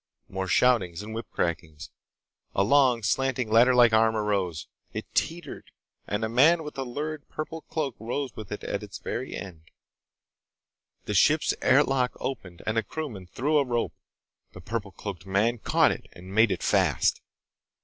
More shoutings and whip crackings. A long, slanting, ladderlike arm arose. It teetered, and a man with a lurid purple cloak rose with it at its very end. The ship's air lock opened and a crewman threw a rope. The purple cloaked man caught it and made it fast.